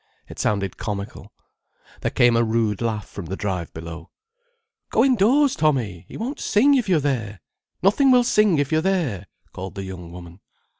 It sounded comical. There came a rude laugh from the drive below. "Go indoors, Tommy! He won't sing if you're there. Nothing will sing if you're there," called the young woman.